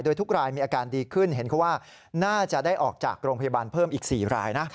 โดยทุกรายมีอาการดีขึ้นเห็นเขาว่าน่าจะได้ออกจากโรงพยาบาลเพิ่มอีก๔รายนะ